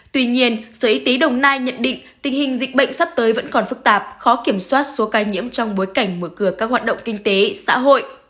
tuy nhiên sở y tế đồng nai nhận định tình hình dịch bệnh sắp tới vẫn còn phức tạp khó kiểm soát số ca nhiễm trong bối cảnh mở cửa các hoạt động kinh tế xã hội